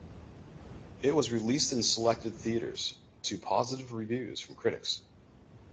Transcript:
It was released in selected theaters, to positive reviews from critics.